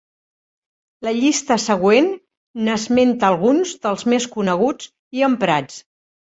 La llista següent n'esmenta alguns dels més coneguts i emprats.